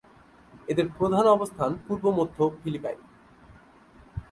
এদের প্রধান অবস্থান পূর্ব-মধ্য ফিলিপাইন।